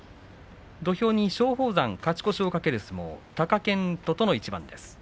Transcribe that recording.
土俵に松鳳山、勝ち越しを懸ける一番貴健斗との一番です。